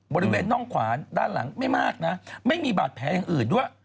บริเวณน่องขวานด้านหลังไม่มากนะไม่มีบาดแผลอย่างอื่นด้วย